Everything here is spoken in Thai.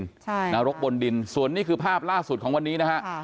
ใช่นรกบนดินส่วนนี้คือภาพล่าสุดของวันนี้นะฮะ